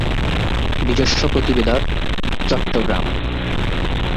নিজস্ব প্রতিবেদকচট্টগ্রাম